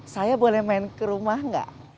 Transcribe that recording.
saya boleh main ke rumah nggak